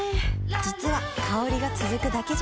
実は香りが続くだけじゃない